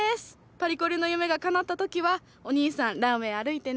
パリコレの夢がかなった時はおにいさんランウェイ歩いてね。